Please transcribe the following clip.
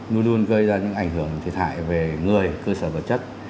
luôn luôn gây ra những ảnh hưởng thiệt hại về người cơ sở vật chất